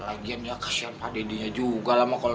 lagian ya kasihan pak deddy nya juga lah emang